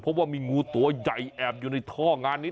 เพราะว่ามีงูตัวใหญ่แอบอยู่ในท่องานนี้